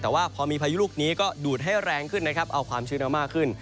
แต่ว่าพอมีพายุลูกนี้ก็ดูดให้แรงขึ้นนะครับเอาความชื้นเอามากขึ้น